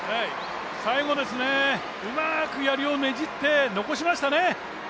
最後、うまくやりをねじって残しましたね。